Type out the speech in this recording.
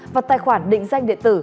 và tài khoản định danh địa tử